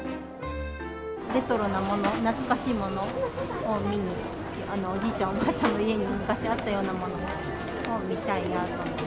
レトロなもの、懐かしいものを見に、おじいちゃん、おばあちゃんの家に昔あったようなものを見たいなと思って。